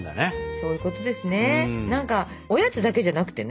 そういうことですね。